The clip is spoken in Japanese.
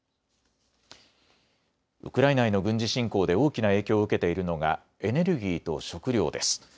ウクライナへの軍事侵攻で大きな影響を受けているのがエネルギーと食料です。